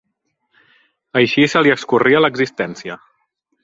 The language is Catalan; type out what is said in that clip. Així se li escorria l'existència